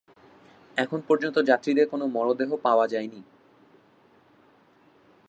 এখন পর্যন্ত যাত্রীদের কোন মরদেহ পাওয়া যায়নি।